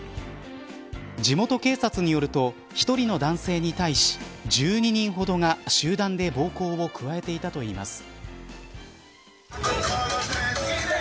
地元警察によると１人の男性に対し１２人ほどが集団で暴行を加えていたといいます。